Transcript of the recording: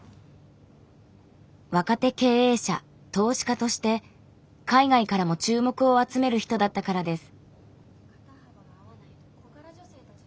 若手経営者・投資家として海外からも注目を集める人だったからです。